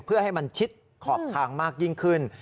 เพื่อให้มันชิดขอบทางมากยิ่งขึ้น